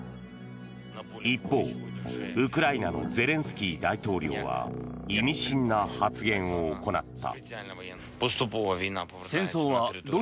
一方、ウクライナのゼレンスキー大統領は意味深な発言を行った。